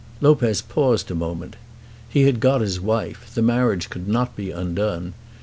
Lopez paused a moment. He had got his wife. The marriage could not be undone.